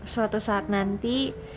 suatu saat nanti